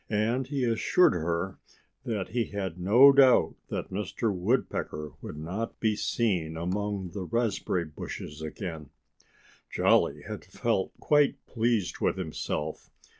And he assured her that he had no doubt that Mr. Woodpecker would not be seen among the raspberry bushes again. Jolly had felt quite pleased with himself.